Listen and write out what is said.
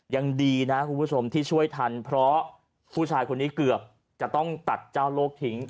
ยังดีนะคุณผู้ชมที่ช่วยทันเพราะผู้ชายคนนี้เกือบจะต้องตัดเจ้าโลกทิ้ง